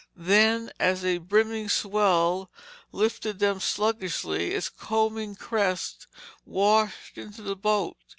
Then as a brimming swell lifted them sluggishly, its combing crest washed into the boat.